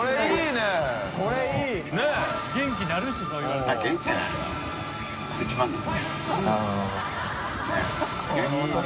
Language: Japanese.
元気なるしそう言われたら。